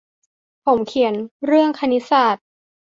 ผมเขียนเรื่องคณิตศาสตร์